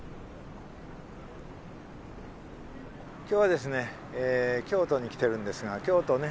今日はですね京都に来てるんですが京都ね